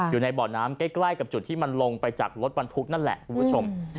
อยู่ในบ่อน้ำใกล้กับจุดที่มันลงไปจากรถบรรทุกนั่นแหละคุณผู้ชม